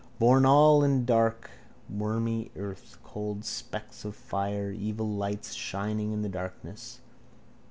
Born all in the dark wormy earth, cold specks of fire, evil, lights shining in the darkness.